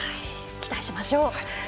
期待しましょう。